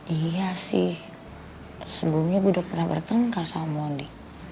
iya sih sebelumnya gue udah pernah bertengkar sama mondi